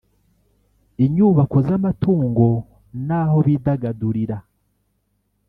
inyubako z’amatungo n’aho bidagadurira